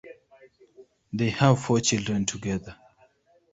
They have four children together.